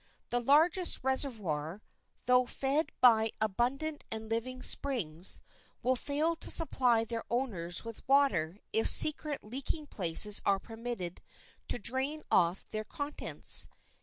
The largest reservoir, though fed by abundant and living springs, will fail to supply their owners with water if secret leaking places are permitted to drain off their contents.